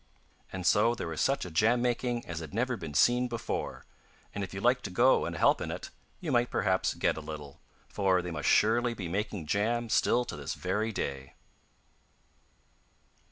And so there was such a jam making as had never been seen before, and if you like to go and help in it, you might perhaps get a little, for they must surely be making jam still to this very day.